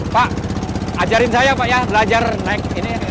pak ajarin saya pak ya belajar naik ini